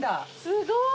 すごい。